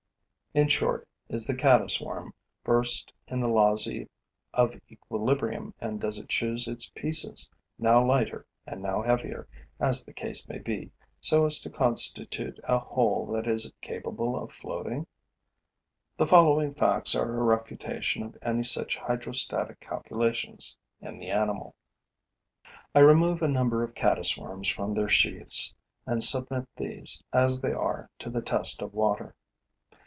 In short, is the caddis worm versed in the laws of equilibrium and does it choose its pieces, now lighter and now heavier as the case may be, so as to constitute a whole that is capable of floating? The following facts are a refutation of any such hydrostatic calculations in the animal. I remove a number of caddis worms from their sheaths and submit these, as they are, to the test of water.